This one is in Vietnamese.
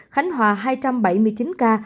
khánh hòa hai trăm bảy mươi chín ca